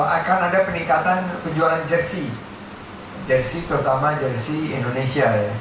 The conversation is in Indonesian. akan ada peningkatan penjualan jersi terutama jersi indonesia